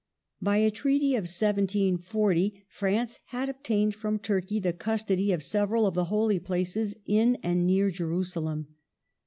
By a treaty of 1740 France had ob tained from Turkey the custody of several of the Holy Places in and near Jerusalem.